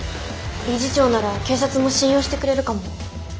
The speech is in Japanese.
理事長なら警察も信用してくれるかも。